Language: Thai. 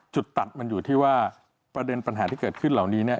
จุดตัดมันอยู่ที่ว่าประเด็นปัญหาที่เกิดขึ้นเหล่านี้เนี่ย